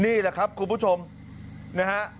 นี่แหละครับคุณผู้ชมนะฮะ